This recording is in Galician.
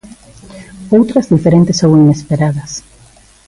Outras diferentes ou inesperadas.